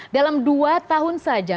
dalam dua tahun saja